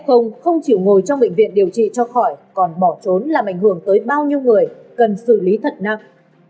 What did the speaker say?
không chịu ngồi trong bệnh viện điều trị cho khỏi còn bỏ trốn làm ảnh hưởng tới bao nhiêu người cần xử lý thật nặng